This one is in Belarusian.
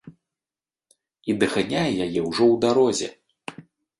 І даганяе яе ўжо ў дарозе.